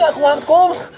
gak kuat gomb